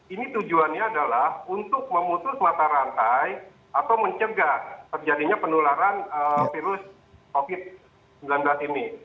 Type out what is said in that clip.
ini tujuannya adalah untuk memutus mata rantai atau mencegah terjadinya penularan virus covid sembilan belas ini